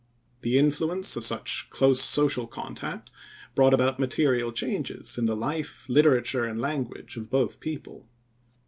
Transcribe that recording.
The influence of such close social contact brought about material changes in the life, literature and language of both people.